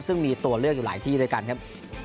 ซึ่งมีตัวเลือกอยู่หลายที่ด้วยกันครับ